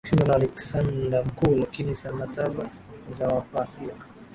kushindwa na Aleksanda Mkuu lakini nasaba za Waparthia